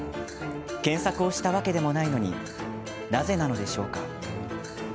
検索をしたわけでもないのになぜなのでしょう。